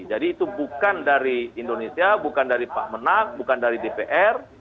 jadi itu bukan dari indonesia bukan dari pak menang bukan dari dpr